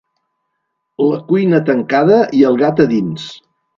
La cuina tancada i el gat a dins.